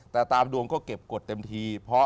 แต่ตะดวงเก็บกฎเต็มที